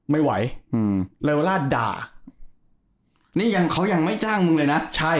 ไม่ไหวอืมเลวาล่าด่านี่ยังเขายังไม่จ้างมึงเลยนะใช่